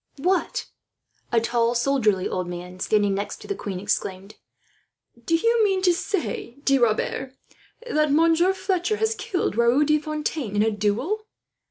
"What!" A tall soldierly old man, standing next to the queen, exclaimed. "Do you mean to say, De Rebers, that Monsieur Fletcher has killed Raoul de Fontaine in a duel?